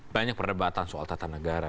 banyak perdebatan soal tata negara